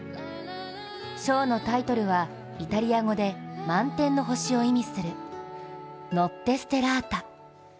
ショーのタイトルはイタリア語で「満天の星」を意味する「ノッテ・ステラータ」。